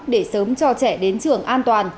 để sớm cho trẻ đến trường an toàn